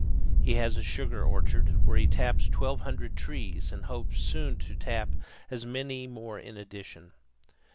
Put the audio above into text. He has a sugar orchard, where he taps twelve hundred trees and hopes soon to tap as many more in addition.